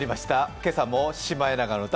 今朝も「シマエナガの歌」